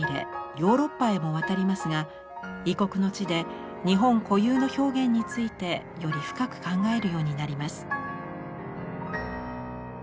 ヨーロッパへも渡りますが異国の地で日本固有の表現についてより深く考えるようになります。